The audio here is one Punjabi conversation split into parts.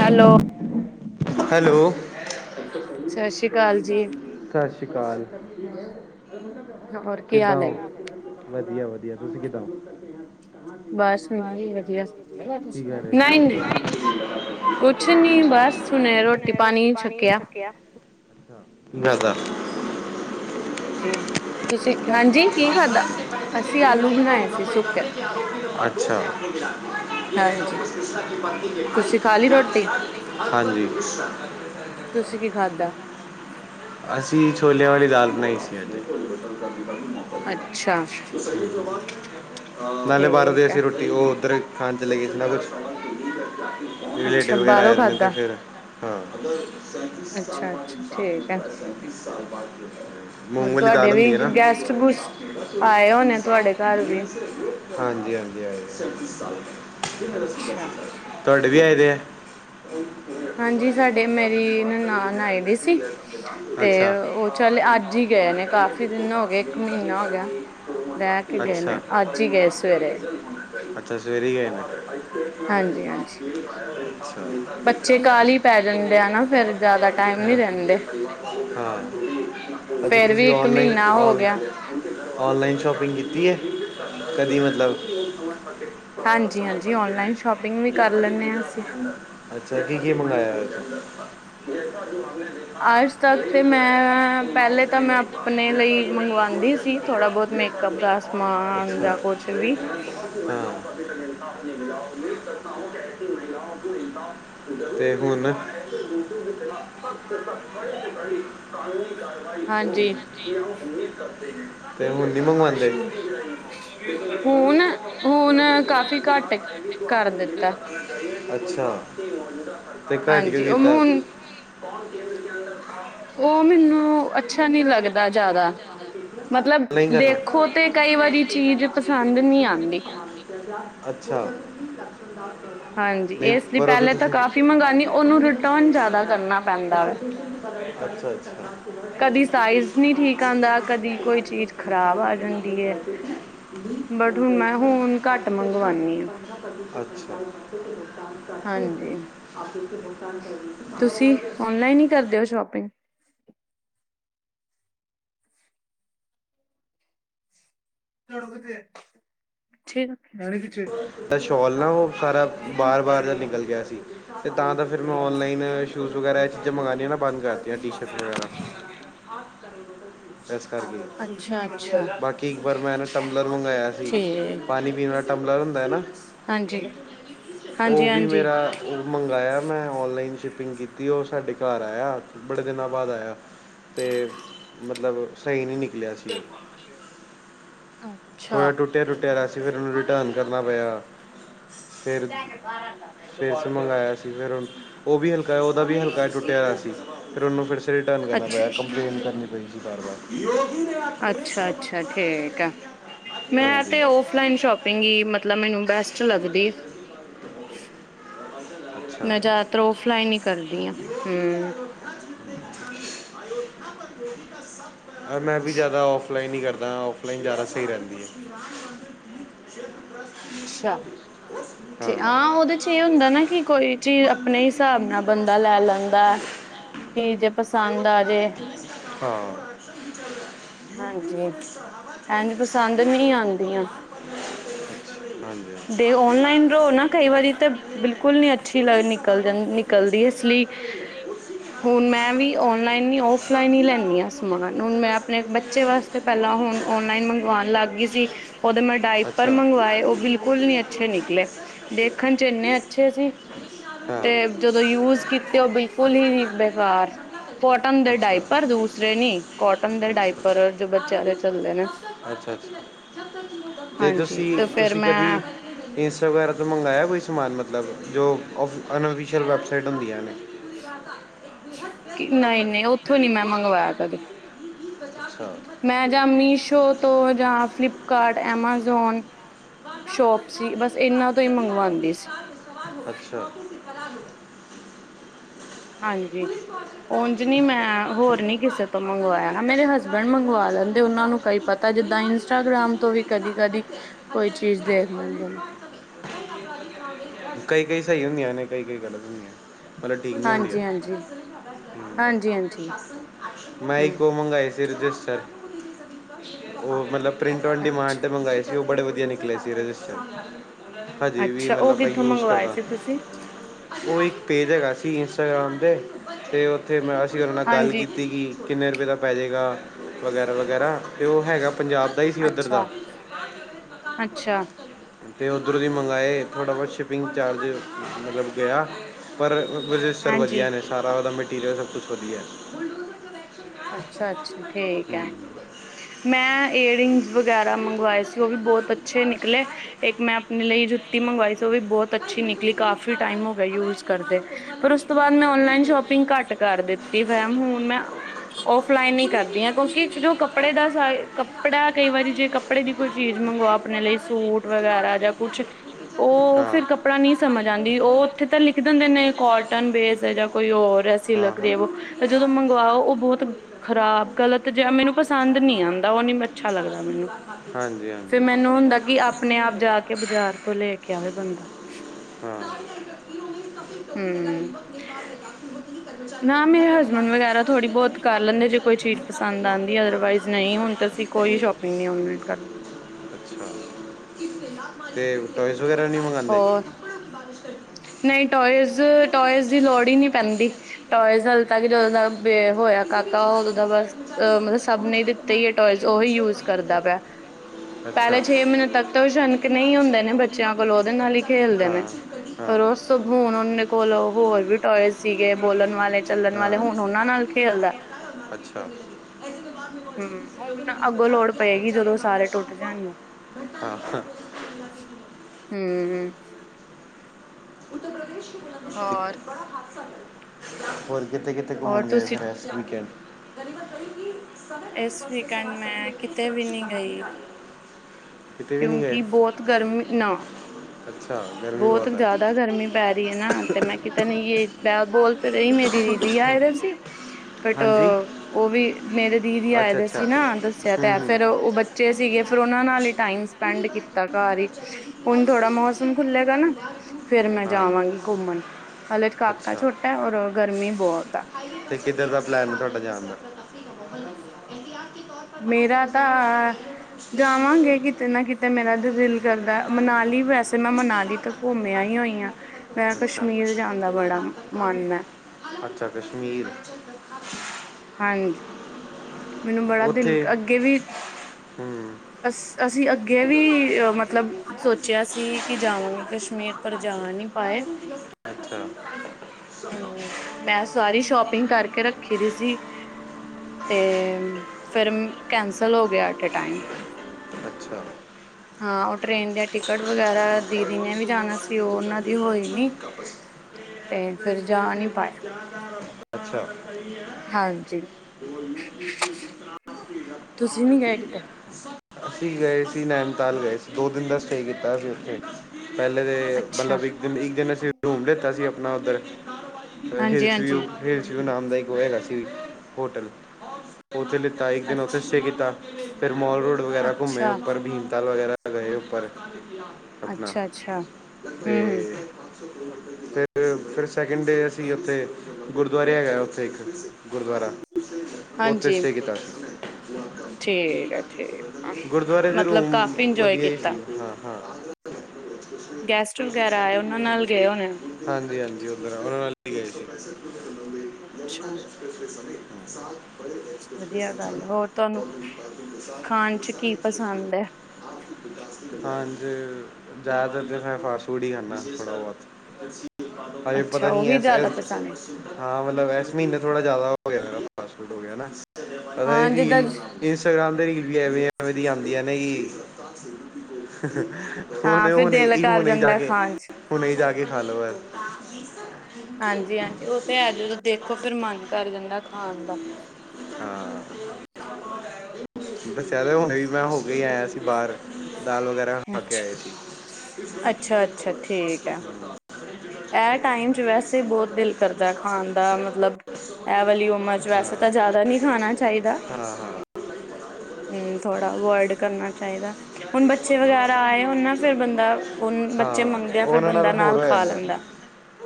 ਹੈਲੋ। ਹੈਲੋ ਸਤਿ ਸ਼੍ਰੀ ਅਕਾਲ ਸਤਿ ਸ੍ਰੀ ਜੀ। ਅਕਾਲ ਜੀ ਸਤਿ ਸ਼੍ਰੀ ਅਕਾਲ। ਕਿੱਦਾਂ ਹੋ? ਹੋਰ ਕੀ ਵਧੀਆ- ਹਾਲ ਹੈ। ਵਧੀਆ ਤੁਸੀਂ ਕਿੱਦਾਂ। ਬਸ ਠੀਕ ਬਸ ਹੈ ਮੰਮੀ ਵਧੀਆ। ਕਿ ਕਰ ਨਹੀਂ ਨਹੀਂ ਰਹੇ ਸੀ? ਕੁਛ ਨੀ, ਬਸ ਹੁਣੇ ਰੋਟੀ -ਪਾਣੀ ਛੱਕਿਆ। ਜ਼ [inaudible] ਜੀ। ਤੁਸੀਂ ਹਾਂਜੀ ਕੀ ਖਾਧਾ? ਅਸੀਂ ਆਲੂ ਬਨਾਏ ਸੀ ਸੁੱਕੇ। ਅੱਛਾ। ਖਾਲੀ ਰੋਟੀ। ਹਾਂਜੀ ਤੁਸੀਂ ਕੀ ਖਾਧਾ? ਅਸੀਂ ਛੋਲਿਆਂ ਵਾਲੀ ਦਾਲ ਬਨਾਈ ਸੀ ਅੱਜ। ਅੱਛਾ। ਨਾਲੇ ਬਾਰ ਗਏ ਠੀਕ ਹੈ ਸੀ ਰੋਟੀ ਓ ਉੱਧਰ ਖਾਨ ਚਲੇ ਗਏ ਸੀ ਨਾ ਕੁਛ। ਅੱਛਾ ਰਿਲੇਟਿਵ ਵਗੈਰਾ ਆਏ ਬਾਹਰੋਂ ਹੋਏ ਸੀ ਨਾ ਖਾਧਾ ਫੇਰ। ਹਾਂ। ਅੱਛਾ ਅੱਛਾ ਠੀਕ ਹੈ। ਮੂੰਗ ਹੋਰ ਵਾਲੀ ਤੁਹਾਡੇ ਦਾਲ ਵੀ ਹੁੰਦੀ ਏ ਨਾ ਗੈਸਟ ਗੁਸਟ ਆਏ ਹੋਣੇ ਤੁਹਾਡੇ ਘਰ ਵੀ ਹਾਂਜੀ-ਹਾਂਜੀ ਆਏ। ਅੱਛਾ। ਤੁਆਡੇ ਵੀ ਆਏ ਦੇ ਐ। [unintelligible] ਹਾਂਜੀ ਸਾਡੇ ਮੇਰੀ ਨਨਾਣ ਆਏ ਦੇ ਸੀ। ਤੇ ਅੱਛਾ। ਉਹ ਚੱਲ ਅੱਜ ਹੀ ਗਏ ਨੇ ਕਾਫ਼ੀ ਦਿਨ ਹੋ ਗਏ ਇੱਕ ਮਹੀਨਾ ਹੋ ਗਿਆ। ਰਹਿ ਕੇ ਗਏ ਨੇ ਅੱਛਾ। ਅੱਜ ਹੀ ਗਏ ਸਵੇਰੇ ਅੱਛਾ ਸਵੇਰੇ ਈ ਆਏ ਨੇ। ਹਾਂਜੀ-ਹਾਂਜੀ ਬੱਚੇ ਅੱਛਾ। ਕਾਹਲ ਹੀ ਪੈ ਜਾਂਦੇ ਆ ਨਾ ਫੇਰ ਜਾਦਾ ਟਾਈਮ ਨੀ ਰੈਂਨ ਹਾਂ, ਅੱਛਾ ਫੇਰ ਤੁਸੀਂ ਵੀ ਇੱਕ ਔਨਲਾਈਨ ਮਹੀਨਾ ਹੋ ਗਿਆ। ਔਨਲਾਈਨ ਸ਼ਾਪਿੰਗ ਕੀਤੀ ਐ, ਕਦੀ ਮਤਲਬ। ਹਾਂਜੀ-ਹਾਂਜੀ ਔਨਲਾਈਨ ਸ਼ੋਪਿੰਗ ਵੀ ਕਰ ਲੈਂਦੇ ਹਾਂ ਅਸੀਂ ਅੱਛਾ, ਕੀ-ਕੀ ਮੰਗਾਇਆ? [inaudible] ਅੱਜ ਤੱਕ ਤੇ ਅੱਛਾ ਮੈਂ, ਪੈਲੇ ਤਾਂ ਮੈਂ ਆਪਨੇ ਲਈ, ਮੰਗਵਾਂਦੀ ਸੀ ਥੋੜ੍ਹਾ ਬੋਤ ਮੇਕਅਪ ਦਾ ਸਮਾਨ ਜਾਂ ਕੁਛ ਵੀ। ਹਾਂ। ਤੇ ਹੁਨ? [unintelligible] ਹਾਂਜੀ ਤੇ ਹੁਨ ਨੀਂ ਮੰਗਵਾਂਦੇ? ਹੁਣ-ਹੁਣ ਕਾਫ਼ੀ ਘੱਟ ਕਰ ਦਿੱਤਾ। [unintelligible] ਅੱਛਾ। ਤੇ ਘੱਟ ਕਿਉਂ ਹਾਂਜੀ, ਔ ਕੀਤਾ ਹੁਨ ਔ ਮੈਨੂੰ ਅੱਛਾ ਨੀ ਲੱਗਦਾ ਜਾਦਾ। ਮਤਲਬ, ਨਹੀਂ ਕਰਨਾ ਦੇਖੋ ਤੇ ਕਈ ਵਾਰੀ ਚੀਜ਼ ਪਸੰਦ ਨੀਂ ਆਂਦੀ। ਅੱਛਾ। ਹਾਂਜੀ ਨਈਂ, ਇਸ ਲਈ ਪਰ ਓਦੋ ਪਹਿਲੇ ਤਾਂ ਤੁਸੀਂ ਕਾਫ਼ੀ ਮੰਗਾਨੀ ਉਹਨੂੰ ਰਿਟਰਨ ਜ਼ਿਆਦਾ ਕਰਨਾ ਪੈਂਦਾ ਵ ਅੱਛਾ-ਅੱਛਾ। ਕਦੀ ਸਾਈਜ਼ ਨੀਂ ਠੀਕ ਆਂਦਾ, ਕਦੀ ਕੋਈ ਚੀਜ਼ ਖ਼ਰਾਬ ਆ ਜਾਂਦੀ ਏ। ਘੱਟ ਮੰਗਵਾਉਣੀ ਹਾਂ ਅੱਛਾ। ਹਾਂਜੀ [unintelligible] ਤੁਸੀਂ, ਔਨਲਾਈਨ ਈ ਕਰਦੇ ਓ ਸ਼ੋਪਿੰਗ? [unintelligible] ਤਾਂ ਸ਼ੋਲ ਨਾਂ ਔ ਸਾਰਾ, ਬਾਰ-ਬਾਰ ਜਾ ਨਿਕਲ ਗਿਆ ਸੀ। ਤੇ ਤਾਂ ਦਾ ਫੇਰ ਮੈਂ ਔਨਲਾਈਨ ਸ਼ੂਜ਼ ਵਗੈਰਾ, ਇਹ ਚੀਜ਼ਾਂ ਮੰਗਾਨੀ ਆ ਨਾਂ ਬੰਦ ਕਰਤੀਆਂ ਟੀਸ਼ਰਟਸ ਵਗੈਰਾ। ਇਸ ਕਰਕੇ, ਅੱਛਾ ਅੱਛਾ ਬਾਕੀ ਇੱਕ ਵਾਰ ਮੈਂ ਨਾਂ ਟੰਬਲਰ ਮੰਗਾਇਆ ਸੀ, ਠੀਕ ਪਾਨੀ ਪੀਨ ਵਾ ਟਮਬਲਰ ਹੁੰਦਾ ਐ ਨਾਂ, ਹਾਂਜੀ ਹਾਂਜੀ ਔ ਵੀ ਹਾਂਜੀ ਮੇਰਾ ਓਹ ਮੰਗਾਂਇਆ ਮੈਂ ਔਨਲਾਈਨ ਸ਼ਿਪਿੰਗ ਕੀਤੀ ਔ ਸਾਡੇ ਕਾਰ ਆਇਆ, ਬੜੇ ਦਿਨਾਂ ਬਾਦ ਆਇਆ। ਤੇ ਮਤਲਬ, ਸਹੀ ਨੀਂ ਨਿਕ ਆ [unintelligible] ਥੋੜ੍ਹਾ ਟੁੱਟਿਆ-ਟੁੱਟਿਆ ਦਾ ਸੀ, ਫ਼ੇਰ ਉਹਨੂੰ ਰਿਟਰਨ ਕਰਨਾ ਪਿਆ। ਫਿਰ-ਫਿਰ ਅਸੀ ਮੰਗਾਂਇਆ ਸੀ ਫਿਰ ਉ ਉਵੀ ਹਲਕਾ ਏ ਉਹਦਾ ਵੀ ਹਲਕਾ ਟੁੱਟਿਆ ਹੋਇਆ ਸੀ। ਫਿਰ ਉਹਨੂੰ ਫ਼ੇਰ ਸੇ ਰਿਟਰਨ ਕਰਨਾ ਪਿਆ, ਅੱਛਾ ਕੰਪਲੇਂਨ ਕਰਨੀ ਪਈ ਸੀ ਵਾਰ-ਵਾਰ। ਅੱਛਾ-ਅੱਛਾ [unintelligible] ਠੀਕ ਆ, ਮੈਂ ਤੇ ਔਫਫਲਾਈਨ ਸ਼ੋਪਿੰਗ ਈ ਮਤਲਬ ਮੈਨੂੰ ਬੈਸਟ ਲੱਗਦੀ। [unintelligible] ਅੱਛਾ ਮੈਂ ਜ਼ਿਆਦਾਤਰ ਆਫਲਾਈਨ ਈ ਕਰਦੀਆਂ, ਹੂੰ। ਮੈਂ ਵੀ ਜ਼ਿਆਦਾ ਔਫਲਾਈਨ ਈ ਕਰਦਾ, ਔਫਲਾਈਨ ਜ਼ਿਆਦਾ ਸਹੀ ਰਹਿੰਦੀ ਏ। ਅੱਛਾ। ਹਾਂ। ਤੇ ਉਹਦੇ ਚ ਇਹ ਹੁੰਦਾ ਨਾ ਕਿ ਕੋਈ ਚੀਜ਼ ਆਪਣੇ ਹਿਸਾਬ [unintelligible] ਚੀਜ ਜੇ ਪਸੰਦ ਆਂ ਜੇ। ਹਾਂਜੀ। ਹਾਂ। ਇੰਝ ਪਸੰਦ ਨੀਂ ਆਂਦੀਆਂ। ਹਾਂਜੀ। ਦੇ ਔਨਲਾਈਨ ਰਹੋ ਨਾਂ ਕਈ ਵਾਰੀ ਤੇ, ਬਿਲਕੁਲ ਨੀ ਅੱਛੀ ਲ-ਨਿਕਲ ਜਾਂ ਨਿਕ ਕਲਦੀ ਏ ਇਸ ਲਈ, ਹੁਣ ਮੈਂ ਵੀ ਆਨਲਾਈਨ ਨੀਂ ਆਫਲਾਈਨ ਈ ਲੈਂਨੀ ਆਂ ਸਮਾਨ ਹੁਣ ਮੈਂ ਆਪ ਇਕ ਬੱਚੇ ਵਾਸਤੇ ਪਹਿਲਾਂ ਹੁਣ ਔਨਲਾਈਨ ਮੰਗਵਾਣ ਲਗ ਗਈ ਸੀ, ਉਹਦੇ ਮੈਂ ਡਾਇਪਰ ਅੱਛਾ ਮੰਗਾਏ ਉਹ ਵੀ ਬਿਲ ਬਿਲਕੁਲ ਨੀ ਅੱਛੇ ਨਿਕਲੇ ਦੇਖਣ ਚ ਇੰਨੇ ਅੱਛੇ ਸੀ ਹਾਂ ਤੇ ਜਦੋਂ ਯੂਜ ਕੀਤੇ ਉਹ ਬਿਲ ਬਿਲਕੁਲ ਹੀ ਨ ਬੇਕਾਰ ਕੋਟਨ ਦੇ ਅੱਛਾ ਡਾਇਪਰ ਦੂਸਰੇ ਨੀ ਕੋਟਨ ਦੇ ਡਾਇਪ ਪਰ ਜੋ ਬੱਚਿਆਂ ਦੇ ਚੱਲਦੇ ਨੇ। ਅੱਛਾ-ਅੱਛਾ, ਤੇ ਹਾਂਜੀ ਤੇ ਫੇਰ ਤੁਸੀਂ-ਤੁਸੀਂ ਕਦੀ ਮੈਂ ਇੰਸਟਾ ਵਗੈਰਾ ਤੋਂ ਮੰਗਵਾਇਆ ਕੋਈ ਸਮਾਨ ਮਤਲਬ ਜੋ ਅਨਔਫਿਸ਼ਅਲ ਵੈੱਬਸਾਈਟ ਹੁੰਦੀਆਂ ਨੇ। ਨਹੀਂ ਨਹੀਂ-ਨਹੀਂ, ਉਥੋਂ ਨੀ ਮੈਂ ਮੰਗਵਾਇਆ ਕਦੀ। ਅੱਛਾ। ਮੈਂ ਜਾ ਮਸ਼ੋ ਤੋਂ ਜਾਂ ਫਲੀਪਕਾਰਟ, ਐਮਜ਼ੋਨ ਸ਼ੋਪ ਸੀ ਬਸ ਇਹਨਾਂ ਤੋਂ ਹੀ ਮੰਗਵਾਂਦੀ ਸੀ। ਅੱਛਾ। ਹਾਂਜੀ। ਉਜ ਨੀ ਮੈਂ ਹੋਰ ਨੀ ਕਿਸੇ ਤੋਂ ਮੰਗਵਾਇਆ ਮੇਰੇ ਹਸਬੈਂਡ ਮੰਗਵਾ ਲੈਂਦੇ ਉਹਨਾਂ ਨੂੰ ਕਈ ਪਤਾ ਤਾਂ ਜਿੱਦਾਂ ਇੰਸਟਾਗ੍ਰਾਮ ਤੋਂ ਵੀ ਕਦੀ-ਕਦੀ ਕੋਈ ਚੀਜ਼ ਦੇਖ ਲੈਂਦੇ ਨੇ। ਕਈ-ਕਈ ਸਹੀ ਹੁੰਦੀਆਂ ਨੇ, ਕਈ-ਕਈ ਗਲਤ ਹੁੰਦੀਆਂ ਨੇ। ਮਤਲਬ ਠੀਕ ਨੀ ਹੁੰਦੀਆਂ ਹਾਂਜੀ ਨੇ। ਹਾਂਜੀ ਹਾਂਜੀ ਹਾਂਜੀ ਮੈਂ ਇਕ ਹਮ ਓ ਮੰਗਏ ਸੀ ਰਜਿਸਟਰ ਉ ਮਤਲਬ ਪ੍ਰਿੰਟ ਔਨ ਡਿਮਾਂਡ ਤੇ ਅੱਛਾ ਮੰਗਵਾਏ ਸੀ ਉਹ ਬੜੇ ਵਧੀਆ ਵਧੀਆ ਨਿਕਲੇ ਸੀ ਰਜਿਸਟਰ, ਹਜੇ ਵੀ ਅੱਛਾ ਉਹ ਮਤਲਬ ਮੈਂ ਕਿੱਥੋਂ ਯੂਜ ਮੰਗਵਾਏ ਕਰਦਾ। ਸੀ ਤੁਸੀਂ ਉ ਇੱਕ ਪੇਜ ਹੈਗਾ ਸੀ ਇੰਸਟਾਗ੍ਰਾਮ ਤੇ ਉਥੇ ਮੈਂ ਅਸੀਂ ਉਹਦੇ ਨਾਲ ਗੱਲ ਹਾਂਜੀ ਕੀਤੀ ਕਿ ਕਿੰਨੇ ਰੁਪਏ ਦਾ ਪੈ ਜਾਏਗਾ ਵਗੈਰਾ-ਵਗੈਰਾ ਤੇ ਉ ਹੈਗਾ ਪੰਜਾਬ ਦਾ ਹੀ ਸੀ ਉੱਧਰ ਦਾ। ਅੱਛਾ ਅੱਛਾ। ਤੇ ਉਧਰੋਂ ਦੀ ਮੰਗਾਏ ਥੋੜ੍ਹਾ-ਬਹੁਤ ਸ਼ਿਪਿੰਗ ਚਾਰਜ ਮਤਲਬ ਗਿਆ। ਪਰ ਰਜਿਸਟਰ ਹਾਂਜੀ ਵਧੀਆ ਨੇ, ਸਾਰਾ ਉਹਦਾ ਮਟੀਰੀਅਲ ਸਭ ਕੁਛ ਵਧੀਆ ਏ। ਅੱਛਾ-ਅੱਛਾ, ਠੀਕ ਏ। ਮੈਂ ਈਅਰਿੰਗਸ ਵਗੈਰਾ ਮੰਗਵਾਏ ਸੀ ਉਹ ਵੀ ਬੋਤ ਅਛ ਅੱਛੇ ਨਿਕਲੇ ਇੱਕ ਮੈਂ ਆਪਣੇ ਲਈ ਜੁੱਤੀ ਮੰਗਵਾਈ ਸੀ ਉਹ ਵੀ ਬੋਤ ਅੱਛੀ ਨਿਕਲੀ ਕਾਫੀ ਟਾਈਮ ਹੋ ਗਿਐ ਯੂਜ ਕਰਦੇ। ਪਰ ਉਸ ਤੋਂ ਬਾਅਦ ਮੈਂ ਓਨਲਾਈਨ ਸ਼ੋਪਿੰਗ ਘੱਟ ਕਰ ਦਿੱਤੀ ਫੈਮ ਹੁਣ ਮੈਂ ਔਫਲਾਈਨ ਹੀ ਕਰਦੀ ਹਾਂ ਕਿਉਂਕਿ ਜੋ ਕੱਪੜੇ ਦਾ ਕੱਪੜਾ ਕਈ ਵਾਰੀ ਜੇ ਕੱਪੜੇ ਦੀ ਕੋਈ ਚੀਜ਼ ਮੰਗਵਾਓ ਆਪਣੇ ਲਈ ਸੂਟ ਵਗੈਰਾ ਜਾਂ ਕੁਛ ਉਹ ਫਿਰ ਕੱਪੜਾ ਨਹੀਂ ਸਮਝ ਆਂਦੀ ਉਹ ਉਥੇ ਤਾਂ ਲਿਖ ਦਿੰਦੇ ਨੇ ਕੋਟਨ ਬੇਸ ਜਾਂ ਕੋਈ ਹੋਰ ਸਿੱਲਕ ਦੇ ਵ ਜਦੋਂ ਮੰਗਵਾਓ ਉਹ ਬੋਤ ਖ਼ਰਾਬ ਗਲਤ ਜਿਆ ਮੈਨੂੰ ਪਸੰਦ ਨਹੀਂ ਆਂਦਾ ਉਹ ਨੀ ਅੱਛਾ ਲੱਗਦਾ ਮੈਨੂੰ ਫਿਰ ਮੈਨੂੰ ਹੁੰਦਾ ਕਿ ਆਪਣੇ ਹਾਂਜੀ-ਹਾਂਜੀ ਆਪ ਜਾ ਕੇ ਬਾਜ਼ਾਰ ਤੋਂ ਲੈ ਕੇ ਆਵੇ ਬੰਦਾ ਹਾਂ ਹੂੰ [unintelligible] ਨਾ ਮੇਰੇ ਹਸਬੈਂਡ ਵਗੈਰਾ ਥੋੜ੍ਹੀ ਬੋਤ ਕਰ ਲੈਂਦੇ ਜੇ ਕੋਈ ਚੀਜ਼ ਪਸੰਦ ਆਂਦੀ ਅਦਰਵਾਈਜ਼ ਨਹੀਂ ਹੁਣ ਤਾਂ ਅਸੀਂ ਕੋਈ ਸ਼ੋਪਿੰਗ ਨਹੀਂ ਔਨਲਾਈਨ ਕਰ ਤੇ ਟੋਇਸ ਵਗੈਰਾ ਨਹੀਂ ਮੰਗਾਂਦੇ। ਹੋਰ ਨਹੀਂ ਟੋਇਜ਼-ਟੋਇਜ਼ ਦੀ ਲੋੜ ਹੀ ਨਹੀਂ ਪੈਂਦੀ ਟੋਇਜ਼ ਹੱਲੇ ਤੱਕ ਜਦੋਂ ਦਾ ਬੇ ਹੋਇਆ ਕਾਕਾ ਉਦੋਂ ਦਾ ਬਸ ਮਤਲਬ ਸਭ ਨੇ ਦਿੱਤਾ ਹੀ ਆ ਟੋਇਜ਼ ਉਹੀ ਯੂਜ ਕਰਦਾ ਪਿਆ। ਅੱਛਾ ਪੈਲੇ ਛੇ ਮਹੀਨੇ ਤੱਕ ਤਾਂ ਸ਼ਨਕਨੇ ਹੀ ਹੁੰਦੇ ਨੇ ਬੱਚਿਆਂ ਕੋਲ ਉਹਦੇ ਨਾਲ ਹੀ ਖੇਲਦੇ ਨੇ। ਹਾਂ ਫਿਰ ਉਹ ਸਗੋ ਹੁਣ ਉਹਦੇ ਕੋਲ ਹੋਰ ਵੀ ਟੋਏ ਸੀਗੇ ਬੋਲਣ ਵਾਲੇ ਚੱਲਣ ਵਾਲੇ ਹਾਂ ਹੁਣ ਉਹਨਾਂ ਨਾਲ ਖੇਲਦਾ ਅੱਛਾ ਹੂੰ ਹੁਣ ਅੱਗੋਂ ਲੋੜ ਪਏਗੀ ਜਦੋਂ ਸਾਰੇ ਟੁੱਟ ਜਾਣਗੇ। ਹਾਂ-ਹਾਂ [inaudible] ਹੂੰ-ਹੂੰ ਹੋਰ ਹੋਰ ਕਿੱਥੇ-ਕਿੱਥੇ ਔਰ ਘੁੰਮਣ ਗਏ ਤੁਸੀਂ ਫਿਰ ਐ। ਕ ਸਭੇ ਲੋਕ ਇਸ ਬਸਵੇ ਸਵਾਰ ਵੀਕਐਂਡ ਸਭ ਮੈਂ ਲੋਕ ਕੋ ਕਿਤੇ ਵੀ ਸੁਰੱਖਿਤ ਨਹੀਂ ਬਾਹਰ ਗਈ ਨਿਕਾਲੇ ਗ ਕਿਉਂਕਿ ਬੋਤ ਗਰਮੀ ਨਾ ਅੱਛਾ ਗਰਮੀ ਬੋਤ ਬਹੁਤ ਹੈ ਜ਼ਿਆਦਾਗ ਗਰਮੀ ਪੈ ਰਹੀ ਹੈ ਨਾ ਤੇ ਮੈਂ ਕਿ ਕੀਤਾ ਨਹੀਂ ਮੈਂ ਬੋਲ ਤੇ ਰਹੀ ਮੇਰੀ ਦੀਦੀ ਜੀਆ ਆਏ ਦੇ ਸੀ ਬਟੋ ਹਾਂਜੀ ਉਹ ਵੀ ਮੇਰੇ ਦੀਦੀ ਆਏ ਦੇ ਸੀ ਨਾ ਦੱਸਿਆ ਤੇ ਐ ਫਿਰ ਉਹ ਬੱਚੇ ਸੀਗੇ ਫਿਰ ਉਹਨਾਂ ਨਾਲ ਟਾਈਮ ਸਪੈਂਡ ਕੀਤਾ ਘਾਰੀ ਹੁਣ ਥੋੜਾ ਮੌਸਮ ਖੁਲੇਗਾ ਨਾ ਫਿਰ ਮੈਂ ਜਾਵਾਂਗੀ ਘੁੰਮਣ ਹਲੇ ਕਾਕਾ ਅੱਛਾ ਛੋਟਾ ਔਰ ਗਰਮੀ ਬੋਤ ਆ ਤੇ ਕਿਧਰ ਦਾ ਪਲੈਨ ਤੁਹਾਡਾ ਜਾਣ ਦਾ ਮੇਰਾ ਤਾਂ ਜਾਵਾਂਗੇ ਕਿਤੇ ਨਾ ਕਿਤੇ ਮੇਰਾ ਤੇ ਦਿਲ ਕਰਦਾ ਮਨਾਲੀ ਵੈਸੇ ਮੈਂ ਮਨਾਲੀ ਤਾ ਘੁੰਮ ਆਈ ਆ ਮੇਰਾ ਕਸ਼ਮੀਰ ਜਾਣ ਦਾ ਬੜਾ ਮਨ ਐ ਅੱਛਾ ਕਸ਼ਮੀਰ ਹਾਂਜੀ ਮੈਨੂੰ ਬੜਾ ਦਿਲ ਅੱਗੇ ਵੀ ਹਮ ਅ ਅਸੀਂ ਅੱਗੇ ਵੀ ਅ ਮਤਲਬ ਸੋਚਿਆ ਸੀ ਕਿ ਜਾਵਾਂਗੇ ਕਸ਼ਮੀਰ ਪਰ ਜਾ ਨੀ ਪਾਏ ਅੱਛਾ ਮੈਂ ਸਾਰੀ ਸ਼ੋਪਿੰਗ ਕਰਕੇ ਰੱਖੀ ਦੀ ਸੀ ਅਤੇ ਫਿਰ ਕੈਂਸਲ ਹੋ ਗਿਆ ਐਟੇ ਟਾਈਮ ਅੱਛਾ। ਹਾਂ ੳ ਟਰੇਨ ਦੀਆਂ ਟਿਕਟ ਵਗੈਰਾ, ਦੀਦੀ ਨੇ ਵੀ ਜਾਣਾ ਸੀ। ਉਹ, ਉਹਨਾਂ ਦੀ ਹੋਈ ਨਹੀਂ। ਅੱਛਾ ਤੇ ਫਿਰ ਜਾ ਪਾਏ ਅੱਛਾ। ਹਾਂਜੀ, ਤੁਸੀਂ ਨੀ ਗਏ ਕਿਤੇ? ਅਸੀ ਗਏ ਸੀ, ਨੈਨੀਤਾਲ ਗਏ ਸੀ। ਦੋ ਦਿਨ ਦਾ ਸਟੇ ਕੀਤਾ ਸੀ ਉਥੇ। ਪਹਿਲੇ ਦੇ ਅੱਛਾ ਮਤਲਬ ਇੱਕ ਦਿਨ, ਇੱਕ ਦਿਨ ਅਸੀਂ ਰੂਮ ਲਤਾ ਸੀ, ਆਪਣਾ ਉੱਧਰ ਹਾਂਜੀ ਹਿਲਸਵਿੳ, ਹਾਂਜੀ ਹਿਲਸਵਿੳ ਨਾਮ ਦਾ ਇੱਕ ਉਹ ਹੈਗਾ ਸੀ, ਹੋਟਲ। ਉਥੇ ਲਿਤਾ, ਇਕ ਦਿਨ ਉਥੇ ਅੱਛਾ ਸਟੇ ਕੀਤਾ, ਫਿਰ ਮਾਲ ਰੋਡ ਵਗੈਰਾ ਘੁੰਮੇ ਅੱਛਾ ਉੱਪਰ ਭੀਮ ਤਾਲ ਵਗੈਰਾ ਗਏ ਉੱਪਰ ਆਪਣਾ, ਅੱਛਾ ਅੱਛਾ ਤੇ ਹਮ ਪੰਜ ਸੌ ਦੋੜ ਤੇ ਫਿਰ ਸੈਕਿੰਡ ਡੇ ਅਸੀਂ ਉਥੇ, ਗੁਰਦੁਆਰੇ ਹੈਗਾ ਉਥੇ ਇਕ, ਗੁਰਦੁਆਰਾ। ਉੱਥੇ ਹਾਂਜੀ ਸਟੇ ਕੀਤਾ। ਠੀਕ ਹ ਠੀਕ, ਗੁਰਦੁਆਰੇ ਦੇ ਮਤਲਬ ਰੂਮ ਕਾਫੀ ਇੰਜੋਏ ਵਧੀਆ ਹੀ ਕੀਤਾ? ਸੀ ਹਾਂ, ਹਾਂ। ਗੈਸਟ ਵਗੈਰਾ ਆਏ, ਉਹਨਾਂ ਨਾਲ ਗਏ ਹੋਣੇ? ਹਾਂਜੀ ਹਾਂਜੀ ਉਧਰ, ਉਹਨਾਂ ਨਾਲ ਹੀ ਗਏ ਸੀ। ਅੱਛਾ ਛ ਸਮੇਤ ਸ ਵਧੀਆ ਗੱਲ, ਹੋਰ ਤੁਹਾਨੂੰ ਖਾਣ 'ਚ ਕੀ ਪਸੰਦ ਏ? ਹਾਂਜੀ, ਜਿਆਦਾ ਤੇ ਮੈਂ ਫਾਸਟਫੋਰਡ ਹੀ ਖਾਨਾ। ਹਜੇ ਅੱਛਾ ਪਤਾ ਨਹੀਂ, ਉਹੀ ਜ਼ਿਆਦਾ ਐਸ-ਐਸ ਪਸੰਦ ਹੈ ਹਾਂ ਮਤਲਬ ਇਸ ਮਹੀਨੇ, ਥੋੜਾ ਜਿਆਦਾ ਹੋ ਗਿਆ ਫਾਸਟਫੂਡ ਹੋ ਗਿਆ। ਪਤਾ ਹਾਂ ਜਿੱਦਾਂ ਹਿੱਲ ਇੰਸਟਾਗ੍ਰਾਮ ਦੇ, ਰੀਲ ਵੀ ਐਵੇਂਵੇ ਦੀ ਆਉਦੀਆਂ ਨੇ ਹਾਂ ਫਿਰ ਦਿਲ ਹੁਣੇ-ਹੁਣੇ, ਕਰ ਹੁਣੇ ਜਾਂਦਾ ਜਾਗੇ, ਖਾਣ ਚ ਹੁਣੇ ਜਾਕੇ ਖ ਲੋ ਐ। ਹਾਂਜੀ-ਹਾਂਜੀ ਉਹ ਤੇ ਆ, ਜਦੋਂ ਦੇਖੋ ਫਿਰ ਮਨ ਕਰ ਜਾਂਦਾ ਖਾਣ ਦਾ। ਹਾਂ। ਹੁਨੇ ਮੈਂ ਹੋਕੇ ਈ ਆਇਆ ਸੀ ਬਾਹਰ, ਦਾਲ ਵਗੈਰਾ ਖਾ ਕੇ ਆਏ ਅੱਛਾ ਸੀ। ਅੱਛਾ ਅੱਛਾ ਠੀਕ ਹੈ ਇਹ ਟਾਈਮ 'ਚ ਵੈਸੇ ਬਹੁਤ ਦਿਲ ਕਰਦਾ, ਖਾਣ ਦਾ ਮਤਲਬ ਐ ਵਾਲੀ ਉਮਰਚ, ਹਾਂ ਵੈਸੇ ਤਾਂ ਜ਼ਿਆਦਾ ਨਹੀਂ ਖਾਣਾ ਚਾਹੀਦਾ। ਹਾਂ ਹਾਂ ਥੋੜਾ ਅਵੋਡਿ ਕਰਨਾ ਚਾਹੀਦਾ। ਹੁਣ ਬੱਚੇ ਵਗੈਰਾ ਆਏ ਹੋਨ ਨਾਂ, ਫਿਰ ਬੰਦਾ ਬੱਚੇ ਹਾਂ ਮੰਗਦੇ ਆ, ਫਿਰ ਉਹਨਾਂ ਬੰਦਾ ਹੋਰ ਨਾਲ ਹੋ ਖਾ ਜਾਂਦਾ ਲੈਂਦਾ।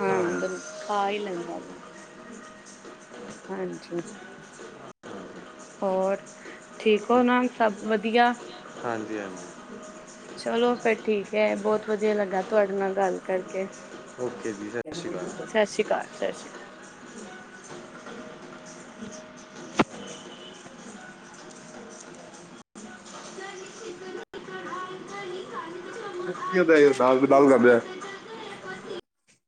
ਹਾਂ, ਖਾ ਹੀ ਲੈਨੇ ਆ। ਹਾਂਜੀ। ਹੋਰ, ਠੀਕ ਹੋ ਨਾ ਸਭ ਵਧੀਆ? ਹਾਂਜੀ, ਹਾਂਜੀ। ਚਲੋ, ਫੇਰ ਠੀਕ ਹੈ। ਬਹੁਤ ਵਧੀਆ ਲੱਗਾ, ਤੁਹਾਡੇ ਨਾਲ ਗੱਲ ਕਰਕੇ। ਓਕੇ ਜੀ ਸ਼੍ਰੀ ਅਕਾਲ ਸਤਿ ਸ੍ਰੀ ਅਕਾਲ, ਸਤਿ ਸ਼੍ਰੀ ਅਕਾਲ। ਕੀ ਹੁੰਦਾ, ਹਿਸਾਬ ਕਰਦਿਆ